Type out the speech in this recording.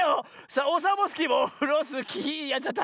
オサボスキーもオフロスキーやっちゃった。